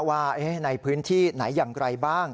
ว่าในพื้นที่ไหนอย่างไรบ้าง